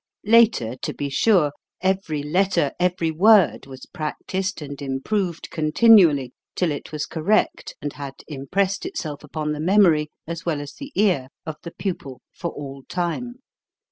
Later, to be sure, every letter, every word, was practised and improved continually, till it was correct, and had im pressed itself upon the memory, as well as the ear, of the pupil for all time.